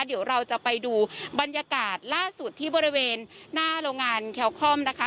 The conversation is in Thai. เดี๋ยวเราจะไปดูบรรยากาศล่าสุดที่บริเวณหน้าโรงงานแคลคอมนะคะ